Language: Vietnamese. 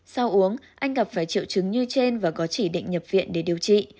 sau uống anh gặp phải triệu chứng như trên và có chỉ định nhập viện để điều trị